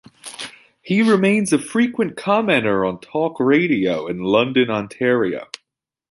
He remains a frequent commentator on talk radio in London, Ontario.